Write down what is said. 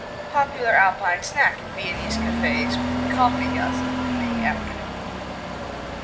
Popular Alpine snack in Viennese cafés with coffee gossip in the afternoon.